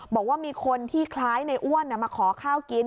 บอกว่ามีคนที่คล้ายในอ้วนมาขอข้าวกิน